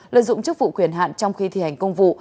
lợi dụng chức vụ quyền hạn trong khi thi hành công vụ